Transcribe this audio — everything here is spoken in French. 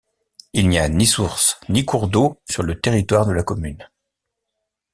Il n'y a ni source, ni cours d'eau sur le territoire de la commune.